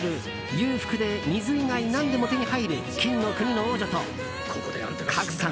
裕福で水以外何でも手に入る金の国の王女と賀来さん